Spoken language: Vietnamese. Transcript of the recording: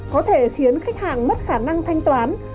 có thể khiến khách hàng mất khả năng thanh toán